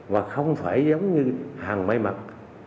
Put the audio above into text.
và không phải giống như hàng mây mặt